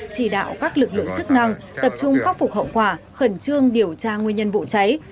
chỉ đạo các lực lượng chức năng tập trung khắc phục hậu quả khẩn trương điều tra nguyên nhân vụ cháy